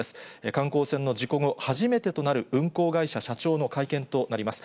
観光船の事故後、初めてとなる、運航会社社長の会見となります。